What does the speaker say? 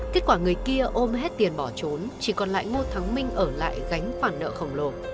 kết quả người kia ôm hết tiền bỏ trốn chỉ còn lại ngô thắng minh ở lại gánh khoản nợ khổng lồ